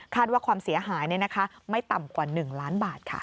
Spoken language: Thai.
ว่าความเสียหายไม่ต่ำกว่า๑ล้านบาทค่ะ